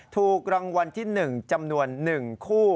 ถูกรางวัลที่๑จำนวน๑คู่